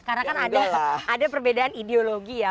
karena kan ada perbedaan ideologi ya